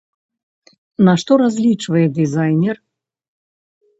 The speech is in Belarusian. На што разлічвае дызайнер?